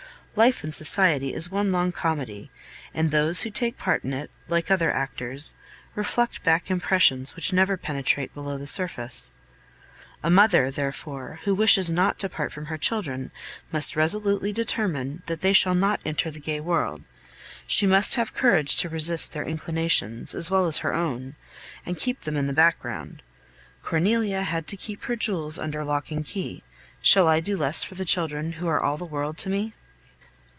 Life in society is one long comedy, and those who take part in it, like other actors, reflect back impressions which never penetrate below the surface. A mother, therefore, who wishes not to part from her children, must resolutely determine that they shall not enter the gay world; she must have courage to resist their inclinations, as well as her own, and keep them in the background. Cornelia had to keep her jewels under lock and key. Shall I do less for the children who are all the world to me?